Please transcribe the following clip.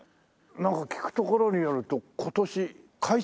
なんか聞くところによると今年改築？